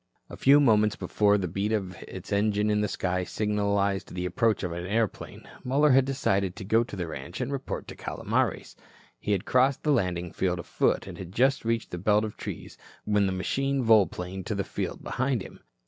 A few moments before the beat of its engine in the sky signalized the approach of the airplane, Muller had decided to go to the ranch and report to Calomares. He had crossed the landing field afoot and had just reached the belt of trees when the machine volplaned to the field behind him.